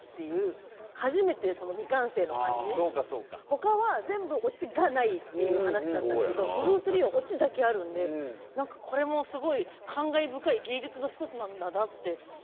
ほかは全部オチがないっていう話だったんですけどブルース・リーはオチだけあるんで何かこれもすごい感慨深い芸術の一つなんだなって思いました。